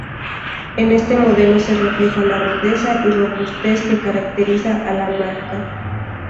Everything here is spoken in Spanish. En este modelo se refleja la rudeza y robustez que caracteriza a la marca.